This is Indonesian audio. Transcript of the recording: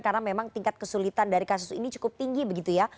karena memang tingkat kesulitan dari kasus ini cukup tinggi begitu ya